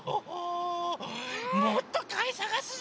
もっとかいさがすぞ！